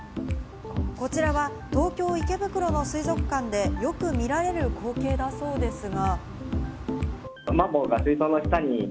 こちらは東京・池袋の水族館でよく見られる光景だそうですが。